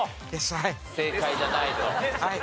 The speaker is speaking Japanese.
正解じゃないと。